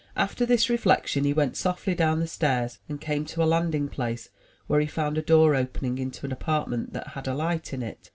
'* After this reflection he went softly down the stairs, and came to a landing place where he found a door opening into an apartment that had a light in it.